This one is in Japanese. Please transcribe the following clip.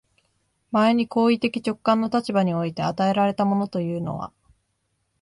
前に行為的直観の立場において与えられたものというのは、